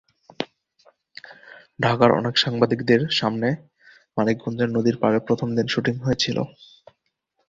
ঢাকার অনেক সাংবাদিকদের সামনে মানিকগঞ্জের নদীর পাড়ে প্রথম দিন শুটিং হয়েছিল।